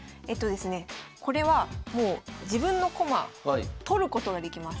これはもう自分の駒取ることができます。